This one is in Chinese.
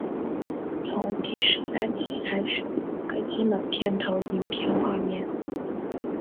从第十三集开始更新了片头影片画面。